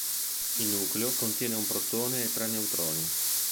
Il nucleo contiene un protone e tre neutroni.